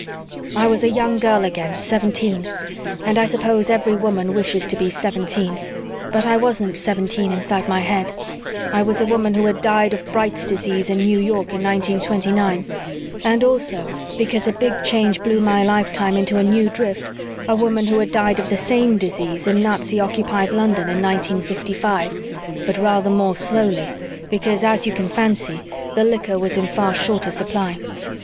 "I was a young girl again, seventeen, and I suppose every woman wishes to be seventeen, but I wasn't seventeen inside my head I was a woman who had died of Bright's disease in New York in 1929 and also, because a Big Change blew my lifeline into a new drift, a woman who had died of the same disease in Nazi occupied London in 1955, but rather more slowly because, as you can fancy, the liquor was in far shorter supply.